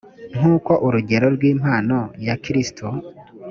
nk uko urugero rw impano ya kristo